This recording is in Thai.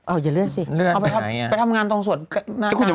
อ้าวเรื่องขั้นเหรอ